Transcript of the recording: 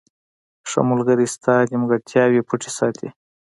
• ښه ملګری ستا نیمګړتیاوې پټې ساتي.